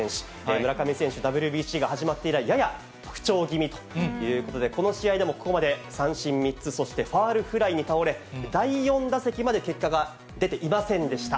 村上選手、ＷＢＣが始まって以来、やや不調気味ということで、この試合でもここまで三振３つ、そしてファウルフライに倒れ、第４打席まで結果が出ていませんでした。